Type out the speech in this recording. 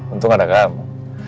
untung ada kamu